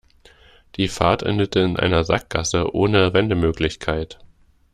Die Fahrt endete in einer Sackgasse ohne Wendemöglichkeit.